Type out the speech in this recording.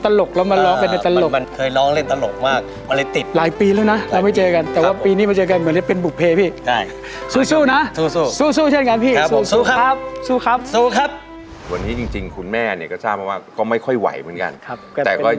แต่เคยร้องตลกแล้วมาร้องเป็นตลก